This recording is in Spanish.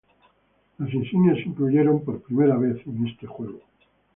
Las Insignias se incluyeron por primera vez en este juego.